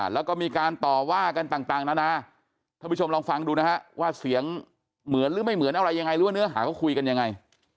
แล้วก็มีการตอบว่ากันต่างนะน่ะทบุชมลองฟังดูนะครับเสียงเหมือนลืมไม่เหมือนยังไงหรือหาเขาคุยกันยังไง